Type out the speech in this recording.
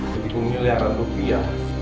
jadi kumil yang rambut dia